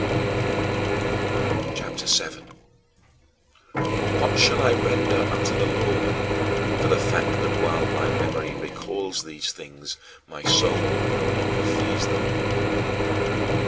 CHAPTER VII 15. "What shall I render unto the Lord" for the fact that while my memory recalls these things my soul no longer fears them?